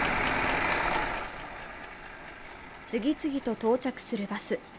次々と到着するバス。